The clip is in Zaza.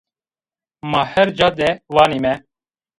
Ma her ca de vanîme